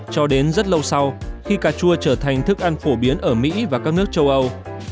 cho đến rất lâu sau khi cà chua trở thành thức ăn phổ biến ở mỹ và các nước châu âu